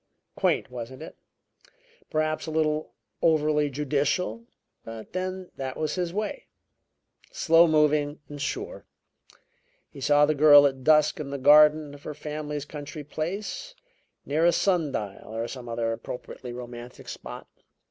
Quaint, wasn't it? Perhaps a little overly judicial. But then that was his way. Slow moving and sure. He saw the girl at dusk in the garden of her family's country place; near a sun dial, or some other appropriately romantic spot.